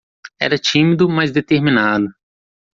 Era tímido, mas determinado